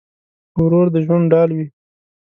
ورور د ژوند ډال وي.